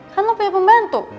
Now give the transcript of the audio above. kan lo punya pembantu